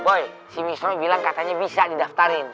boy si mr om bilang katanya bisa di daftarin